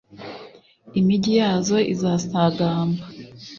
imigi yazo izasagamba,